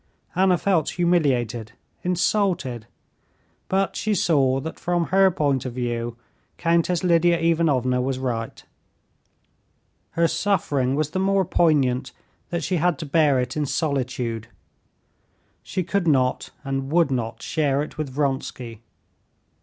Anna felt humiliated, insulted, but she saw that from her point of view Countess Lidia Ivanovna was right. Her suffering was the more poignant that she had to bear it in solitude. She could not and would not share it with Vronsky.